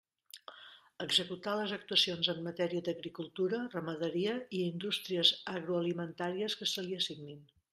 Executar les actuacions en matèria d'agricultura, ramaderia i indústries agroalimentàries que se li assignin.